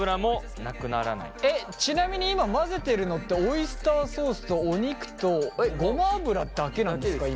えっちなみに今混ぜてるのってオイスターソースとお肉とごま油だけなんですか？